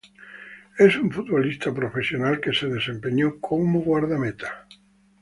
Es un futbolista profesional que se desempeñó como guardameta.